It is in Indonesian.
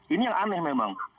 ini yang aneh memang